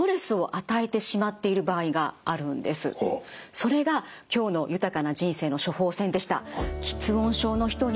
それが今日の「豊かな人生の処方せん」でした